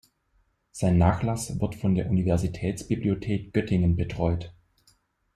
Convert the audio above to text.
Sein Nachlass wird von der Universitätsbibliothek Göttingen betreut.